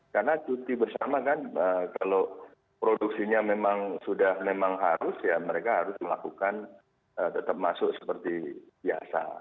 karena cuti bersama kan kalau produksinya memang sudah memang harus ya mereka harus melakukan tetap masuk seperti biasa